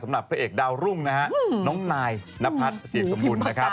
สำหรับพลาดแจกเดารุ่งนะครับน้องนายนพัดเสียบสมบูรณ์